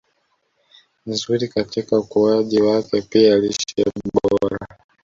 nzuri katika ukuaji wake Pia lishe bora